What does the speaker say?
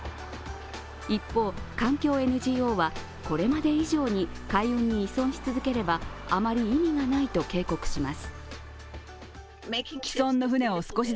一方、環境ＮＧＯは、これまで以上に海運に依存し続ければあまり意味がないと警告します。